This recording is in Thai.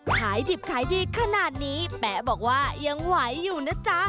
ขายดิบขายดีขนาดนี้แป๊ะบอกว่ายังไหวอยู่นะจ๊ะ